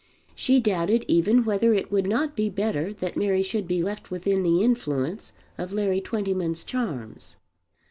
She doubted even whether it would not be better that Mary should be left within the influence of Larry Twentyman's charms.